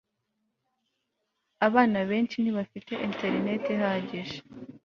Abana benshi ntibafite interineti iihagije